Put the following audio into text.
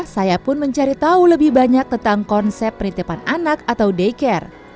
saya pun mencari tahu lebih banyak tentang konsep penitipan anak atau daycare